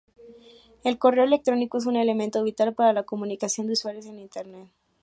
El correo electrónico es un elemento vital para la comunicación de usuarios en Internet.